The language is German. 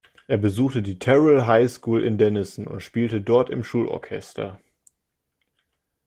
Er besuchte die Terrell High School in Denison und spielte dort im Schulorchester.